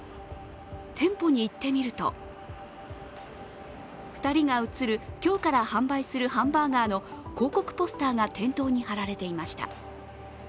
店舗に行ってみると、２人が映る今日から販売するハンバーガーの広告ポスターが店頭に貼られていました。